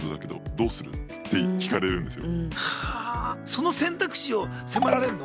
その選択肢を迫られんの？